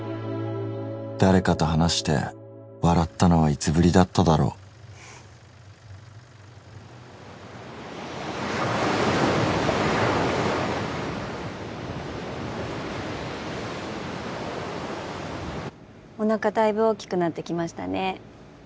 誰かと話して笑ったのはいつぶりだっただろうおなかだいぶ大きくなってきましたね